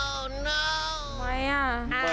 โอ้ไม่นะ